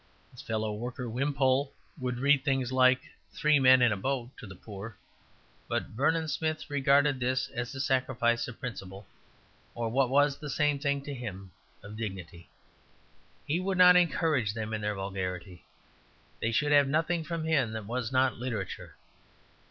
His fellow worker Wimpole would read things like "Three Men in a Boat" to the poor; but Vernon Smith regarded this as a sacrifice of principle, or (what was the same thing to him) of dignity. He would not encourage them in their vulgarity; they should have nothing from him that was not literature.